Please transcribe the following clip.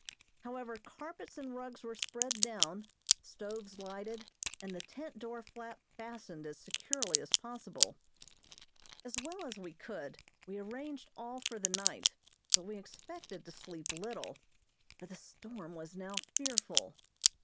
However, carpets and rugs were spread down, stoves lighted, and the tent door flap fastened as securely as possible. As well as we could we arranged all for the night, but we expected to sleep little, for the storm was now fearful.